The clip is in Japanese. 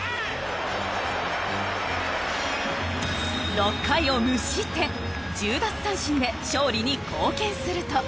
６回を無失点１０奪三振で勝利に貢献すると。